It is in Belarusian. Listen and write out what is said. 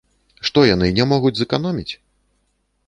Што, яны не могуць зэканоміць?